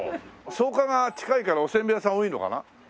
草加が近いからおせんべい屋さん多いのかな？